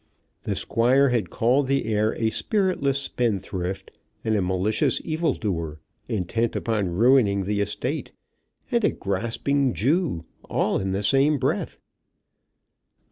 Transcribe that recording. The Squire had called the heir a spiritless spendthrift, and a malicious evil doer, intent upon ruining the estate, and a grasping Jew, all in the same breath.